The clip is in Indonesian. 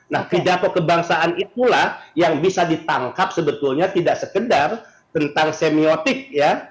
nah pidato kebangsaan itulah yang bisa ditangkap sebetulnya tidak sekedar tentang semiotik ya